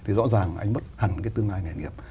thì rõ ràng anh mất hẳn cái tương lai nghề nghiệp